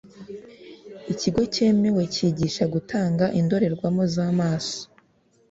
ikigo cyemewe kigisha gutanga indorerwamo z’amaso